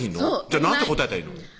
じゃあ何て答えたらいいの？